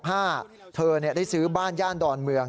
ต่อมาต้นปี๑๙๖๕เธอได้ซื้อบ้านย่านดอนเมือง